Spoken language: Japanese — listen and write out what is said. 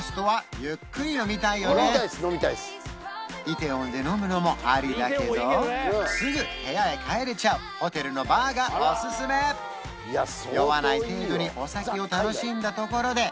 梨泰院で飲むのもありだけどすぐ部屋へ帰れちゃうホテルのバーがおすすめ酔わない程度にお酒を楽しんだところで